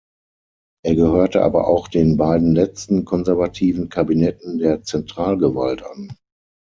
Er gehörte aber auch den beiden letzten, konservativen Kabinetten der Zentralgewalt an.